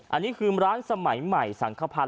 อันนี้คือร้านสมัยใหม่สังขพันธ